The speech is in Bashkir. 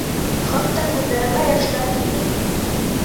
Хатта күҙҙәремә йәштәр килде.